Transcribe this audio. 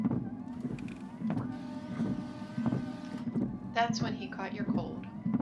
That's when he caught your cold.